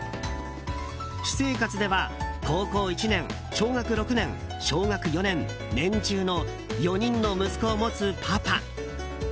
私生活では高校１年小学６年、小学４年年中の、４人の息子を持つパパ。